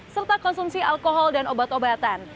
serta konsumsi alkohol dan obat obatan